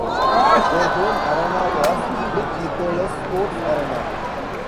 Their home arena was McNichols Sports Arena.